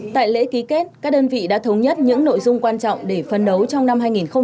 tại lễ ký kết các đơn vị đã thống nhất những nội dung quan trọng để phấn đấu trong năm hai nghìn hai mươi